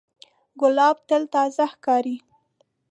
ګلاب تل تازه ښکاري.